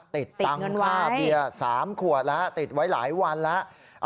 ติดตังค่าเบียร์๓ขวดแล้วติดไว้หลายวันแล้ว